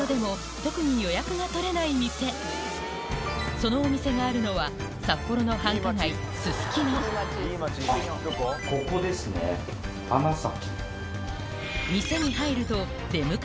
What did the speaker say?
そのお店があるのは札幌の繁華街すすきのここですね花咲。